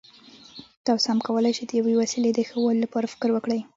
تاسو هم کولای شئ د یوې وسیلې د ښه والي لپاره فکر وکړئ.